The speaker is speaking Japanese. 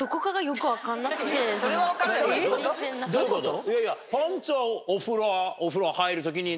えっ？どういうこと？